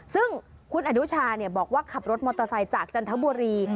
ซึ่งคุณอนุชาบอกว่าขับรถมอเตอร์ไซค์จากจันทบุรี